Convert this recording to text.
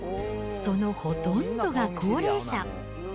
そのほとんどが高齢者。